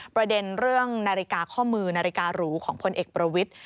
ประเด็นเรื่องนาฬิกาข้อมือนาฬิการูของพลเอกประวิทธิ